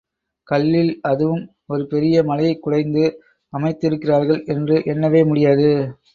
கல்லில் அதுவும் ஒரு பெரிய மலையைக் குடைந்து அமைத்திருக்கிறார்கள் என்று எண்ணவே முடியாது.